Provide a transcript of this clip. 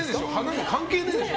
関係ねえでしょ